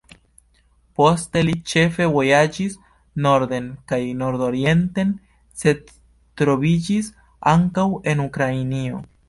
Poste li ĉefe vojaĝis norden kaj nordorienten, sed troviĝis ankaŭ en Ukrainio.